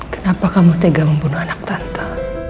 kenapa kamu tega membunuh anak tante